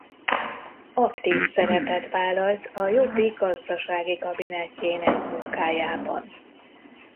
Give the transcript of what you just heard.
Aktív szerepet vállalt a Jobbik Gazdasági kabinetjének munkájában.